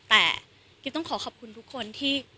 แต่กิ๊บต้องขอขอบคุณทุกคนที่